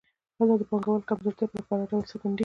دلته د پانګوال کمزورتیا په ښکاره ډول څرګندېږي